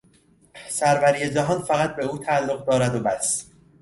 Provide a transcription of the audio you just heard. سروری جهان فقط به او تعلق دارد و بس.